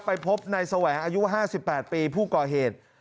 ไปพบนายแสวงอายุ๕๘ปีผู้ก่อเหตุ